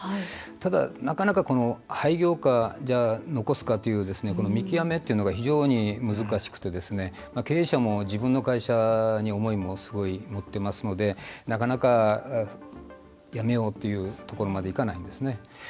ただ、なかなか廃業か、じゃあ残すかという見極めというのが非常に難しくてですね経営者も自分の会社に思いもすごい持ってますのでなかなか辞めようっていうところまでいかないんですね。